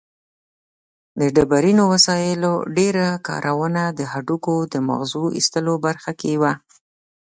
د ډبرینو وسایلو ډېره کارونه د هډوکو د مغزو ایستلو برخه کې وه.